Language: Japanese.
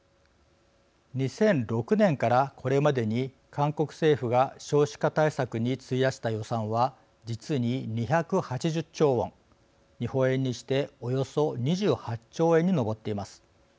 ２００６年からこれまでに韓国政府が少子化対策に費やした予算は実に２８０兆ウォン日本円にしておよそ２８兆円に上っています。